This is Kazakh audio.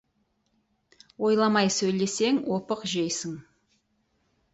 Ойламай сөйлесең, опық жейсің.